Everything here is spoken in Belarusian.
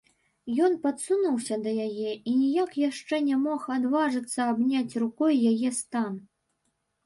Ён падсунуўся да яе і ніяк яшчэ не мог адважыцца абняць рукой яе стан.